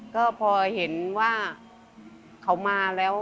ก็พอเห็นว่าเขามาแล้ว